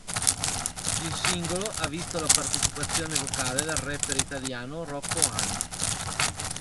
Il singolo ha visto la partecipazione vocale del rapper italiano Rocco Hunt.